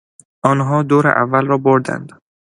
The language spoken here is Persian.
آنها دور اول را بردند.